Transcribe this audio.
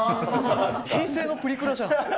平成のプリクラじゃん。